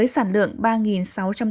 sản lượng ba sáu trăm linh tấn thủy sản